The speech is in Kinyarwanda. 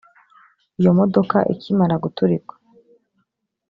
Iyo modoka ikimara guturika